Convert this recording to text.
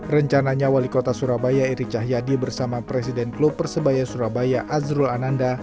rencananya wali kota surabaya eri cahyadi bersama presiden klub persebaya surabaya azrul ananda